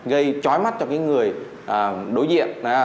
gây chói mắt cho cái người đối diện